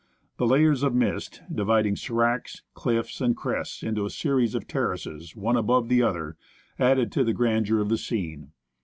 The layers of mist, dividing sdracs, cliffs, and crests into a series of terraces one above the other, added to the grandeur of the scene.